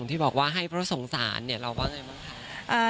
ที่บอกว่าให้เพราะสงสารเนี่ยเราว่าไงบ้างคะ